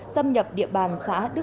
xâm nhập địa bàn xã đức bình tỉnh phú thọ